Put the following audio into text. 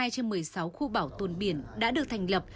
trong một mươi sáu khu bảo tồn biển đã được thành lập